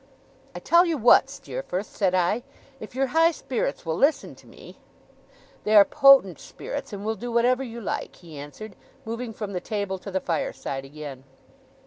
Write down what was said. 'I tell you what, Steerforth,' said I, 'if your high spirits will listen to me ' 'They are potent spirits, and will do whatever you like,' he answered, moving from the table to the fireside again.